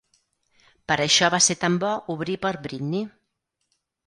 Per això va ser tan bo obrir per Britney.